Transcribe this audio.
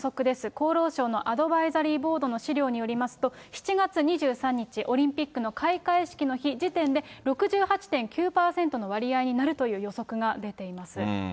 厚労省のアドバイザリーボードの資料によりますと、７月２３日、オリンピックの開会式の日時点で６８．９％の割合になるという予測が出ています。